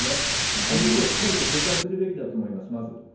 ＩＯＣはしっかりと公開するべきだと思います。